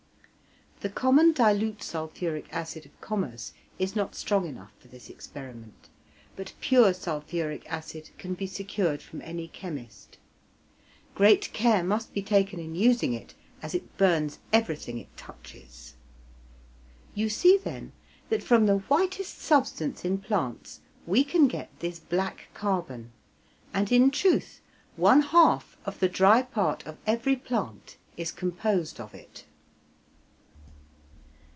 *(The common dilute sulphuric acid of commerce is not strong enough for this experiment, but pure sulphuric acid can be secured from any chemist. Great care must be taken in using it, as it burns everything it touches.) You see, then, that from the whitest substance in plants we can get this black carbon; and in truth, one half of the dry part of every plant is composed of it.